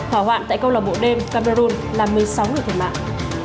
hỏa hoạn tại câu lòng bộ đêm cameroon là một mươi sáu người thủy mạng